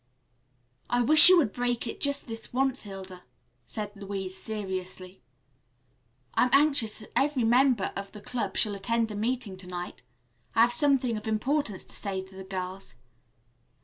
"I wish you would break it just this once, Hilda," said Louise seriously. "I am anxious that every member of the club shall attend the meeting to night. I have something of importance to say to the girls."